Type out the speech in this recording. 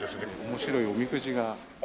面白いおみくじ。